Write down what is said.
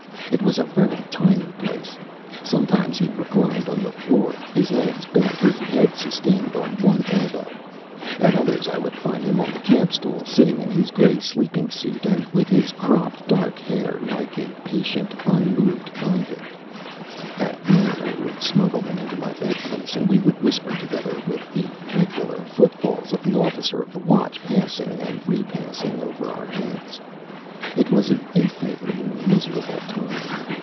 It was a very tiny place. Sometimes he reclined on the floor, his legs bent, his head sustained on one elbow. At others I would find him on the campstool, sitting in his gray sleeping suit and with his cropped dark hair like a patient, unmoved convict. At night I would smuggle him into my bed place, and we would whisper together, with the regular footfalls of the officer of the watch passing and repassing over our heads. It was an infinitely miserable time.